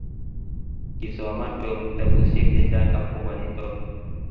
kisoman Tom kitabusiek chechang akobo nito